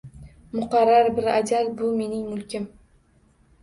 Muqarrar bir ajal – bu mening mulkim